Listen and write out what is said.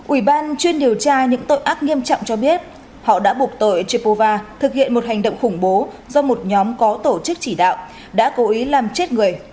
ủy ban chuyên điều tra những tội ác nghiêm trọng cho biết họ đã buộc tội chepova thực hiện một hành động khủng bố do một nhóm có tổ chức chỉ đạo đã cố ý làm chết người